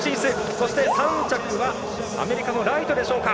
そして３着はアメリカのライトでしょうか。